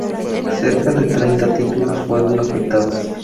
Cerca de treinta títulos fueron afectados.